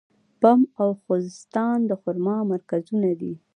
بم او خوزستان د خرما مرکزونه دي.